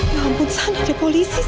ya ampun sana ada polisi